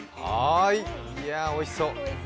いや、おいしそう。